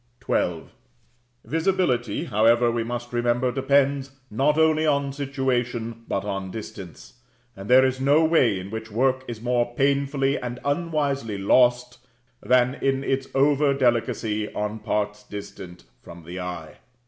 [G] Mod. Painters, Part I. Sec. 1, Chap. 3. XII. Visibility, however, we must remember, depends, not only on situation, but on distance; and there is no way in which work is more painfully and unwisely lost than in its over delicacy on parts distant from the eye.